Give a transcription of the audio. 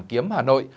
hàn kiếm hà nội